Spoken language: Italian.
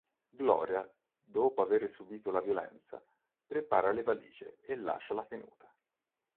Gloria, dopo avere subìto la violenza, prepara le valigie e lascia la tenuta.